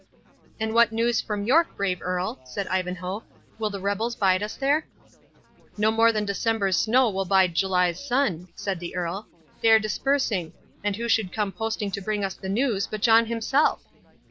"And what news from York, brave Earl?" said Ivanhoe; "will the rebels bide us there?" "No more than December's snow will bide July's sun," said the Earl; "they are dispersing; and who should come posting to bring us the news, but John himself!"